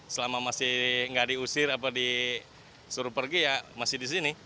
selama masih nggak diusir apa disuruh pergi ya masih di sini